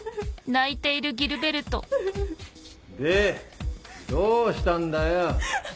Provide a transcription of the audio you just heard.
でどうしたんだよ！